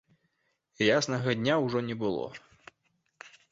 Яснага дня ўжо не было.